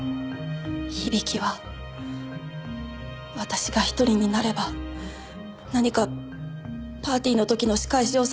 響は私が１人になれば何かパーティーの時の仕返しをされると予期していたんです。